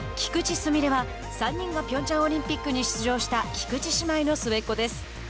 純礼は３人がピョンチャンオリンピックに出場した菊池姉妹の末っ子です。